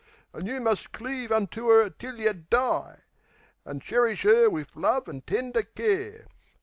An' you must cleave unto 'er till yeh die, An' cherish 'er wiv love an' tender care.